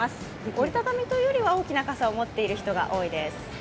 折り畳みというよりは大きな傘を持っている人が多いです。